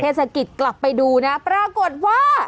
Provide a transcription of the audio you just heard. เทศกิจกลับไปดูนะปรากฏว่า